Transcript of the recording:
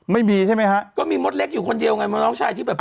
ไม่มีใช่ไหมฮะ